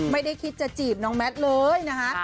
ไม่ได้คิดจะจีบน้องแมทเลยนะคะ